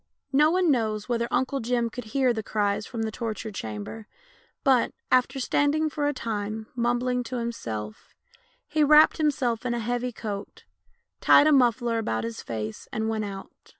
No one knows whether Uncle Jim could hear tlie cries from the torture chamber, but, after standing for a time mumbling to himself, he wrapped himself in a heavy coat, tied a muffler about his face, and went out.